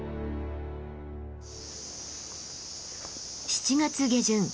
７月下旬。